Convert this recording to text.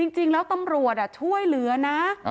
จริงแล้วตำรวจช่วยเหลือนะ